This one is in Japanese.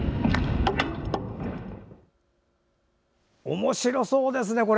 おもしろそうですね。